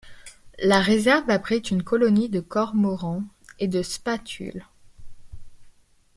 La réserve abrite une colonie de cormorans et de spatules.